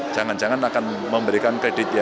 jangan jangan akan memberikan kredit ya